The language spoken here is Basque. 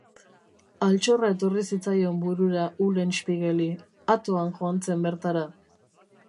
Altxorra etorri zitzaion burura Ulenspiegeli, atoan joan zen bertara.